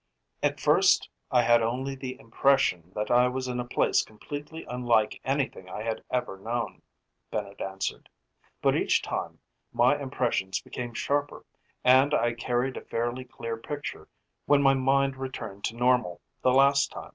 "At first I had only the impression that I was in a place completely unlike anything I had ever known," Bennett answered. "But each time my impressions became sharper, and I carried a fairly clear picture when my mind returned to normal the last time.